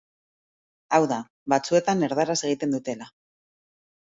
Hau da, batzuetan erdaraz egiten dutela.